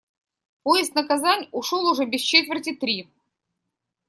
Поезд на Казань ушёл уже без четверти три.